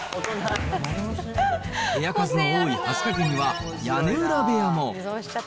部屋数の多い蓮香家には、屋根裏部屋も。